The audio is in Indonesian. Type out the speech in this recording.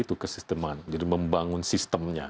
itu kesisteman jadi membangun sistemnya